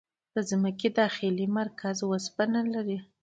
د ځمکې داخلي مرکز اوسپنه لري.